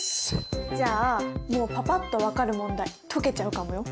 じゃあもうパパっと分かる問題解けちゃうかもよ。